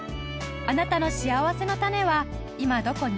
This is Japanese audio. あなたのしあわせのたねは今どこに？